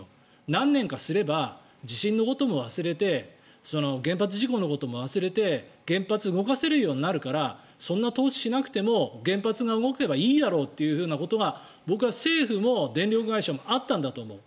何年かすれば地震のことも忘れて原発事故のことも忘れて原発が動かせるようになるからそんな投資しなくても原発が動けばいいだろうということが僕は政府も電力会社もあったんだと思う。